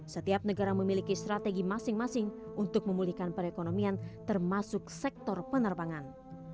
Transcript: setiap negara memiliki strategi masing masing untuk memulihkan perekonomian termasuk sektor penerbangan